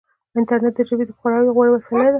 انټرنیټ د ژبې د خپراوي غوره وسیله ده.